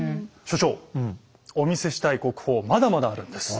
所長お見せしたい国宝まだまだあるんです。